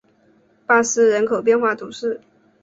巴斯人口变化图示